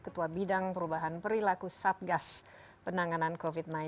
ketua perubahan perihi laku sapgas penanganan covid sembilan belas